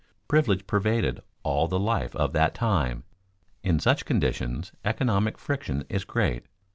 Privilege pervaded all the life of that time. In such conditions economic friction is great.